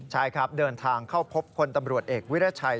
ใช่ครับเดินทางเข้าพบคนตำรวจเอกวิราชัย